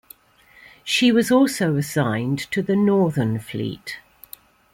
She was also assigned to the Northern Fleet.